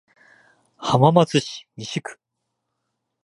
浜松市西区